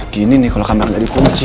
gini nih kalau kamera dikunci